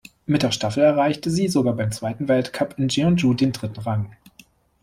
Mit der Staffel erreichte sie sogar beim zweiten Weltcup in Jeonju den dritten Rang.